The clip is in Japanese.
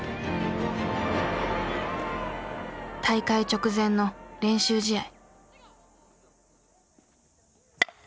大会直前の練習試合。